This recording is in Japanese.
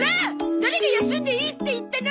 誰が休んでいいって言ったの！